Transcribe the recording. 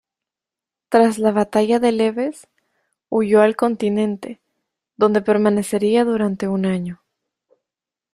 Tras la batalla de Lewes huyó al continente, donde permanecería durante un año.